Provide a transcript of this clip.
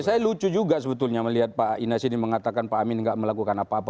saya lucu juga sebetulnya melihat pak ines ini mengatakan pak amin tidak melakukan apa apa